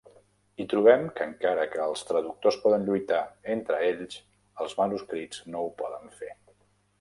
I trobem que encara que els traductors poden lluitar entre ells, els manuscrits no ho poden fer.